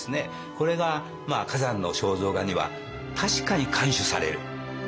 これが崋山の肖像画には確かに看取される。